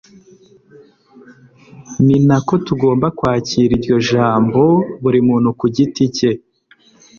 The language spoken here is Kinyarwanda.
ni nako tugomba kwakira iryo jambo buri muntu ku giti cye.